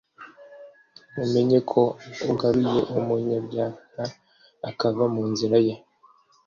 mumenye ko ugaruye umunyabyaha akava mu nzira ye